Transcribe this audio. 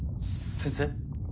先生？